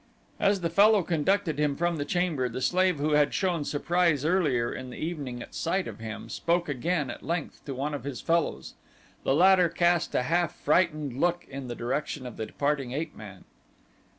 As the fellow conducted him from the chamber the slave who had shown surprise earlier in the evening at sight of him, spoke again at length to one of his fellows. The latter cast a half frightened look in the direction of the departing ape man.